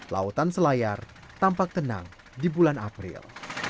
lautan selayar tampak tenang di bulan april